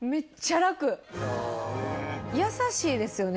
優しいですよね